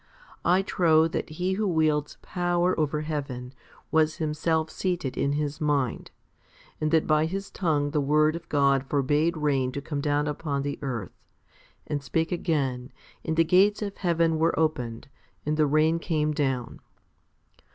I trow that He who wields power over heaven was Himself seated in his mind, and that by his tongue the Word of God forbade rain to come down upon the earth, and spake again, and the gates of heaven were opened, and the rain came down.